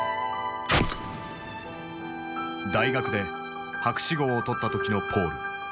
大学で博士号を取った時のポール。